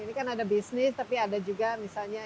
ini kan ada bisnis tapi ada juga misalnya